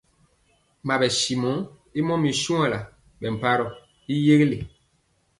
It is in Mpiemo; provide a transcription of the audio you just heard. Mawɛtyimɔ y mɔmir shuanla bɛ mparoo y yɛgɛle.